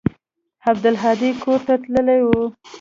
عبدالهادي کور ته تللى و.